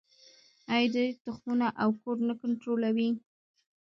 آیا دوی تخمونه او کود نه کنټرولوي؟